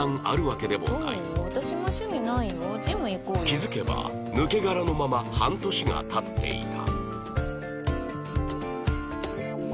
気づけば抜け殻のまま半年が経っていた